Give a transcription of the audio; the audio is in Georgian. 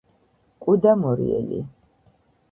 კუ და მორიელი